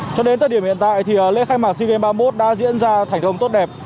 cho đến tới điểm hiện tại thì lễ khai mạc sigem ba mươi một đã diễn ra thành công tốt đẹp